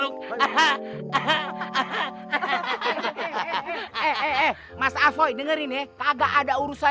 cukup mendoakan alhamdulillah